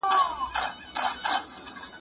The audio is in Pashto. د ټلویزیون لیدل غوړو ته انرژي مصرفوي.